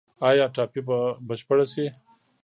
آیا ټاپي به بشپړه شي؟